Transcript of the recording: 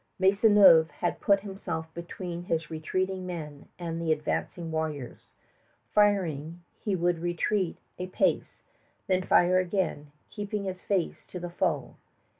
Maisonneuve had put himself between his retreating men and the advancing warriors. Firing, he would retreat a pace, then fire again, keeping his face to the foe.